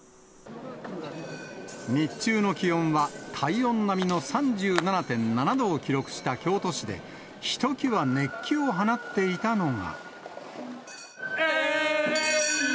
日中の気温は体温並みの３７．７度を記録した京都市で、ひときわ熱気を放っていたのが。